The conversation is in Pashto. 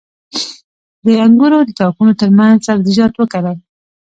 د انګورو د تاکونو ترمنځ سبزیجات وکرم؟